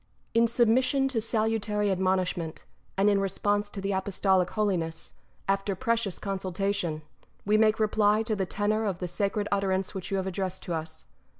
§ 1. In submission to salutary admonishment, and in response to the Apostolic Holiness, after precious con sultation, we make reply to the tenour of the sacred utterance which you have addressed to us.